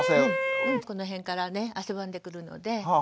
この辺からね汗ばんでくるので。